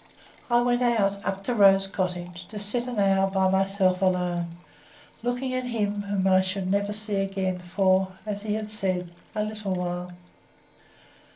I went out, up to Rose Cottage, to sit an hour by myself alone, looking at him whom I should not see again for as he had said "a little while."